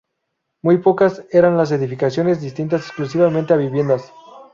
Muy pocas eran las edificaciones destinadas exclusivamente a viviendas.